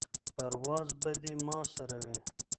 پرواز به دې ما سره وي.